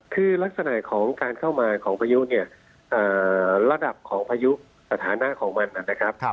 คือลักษณะของการเข้ามาของพายุเนี่ยระดับของพายุสถานะของมันนะครับ